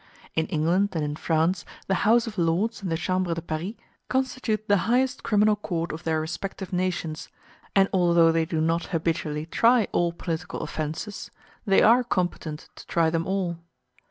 In England and in France the House of Lords and the Chambre des Paris *a constitute the highest criminal court of their respective nations, and although they do not habitually try all political offences, they are competent to try them all.